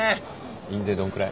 印税どんくらい？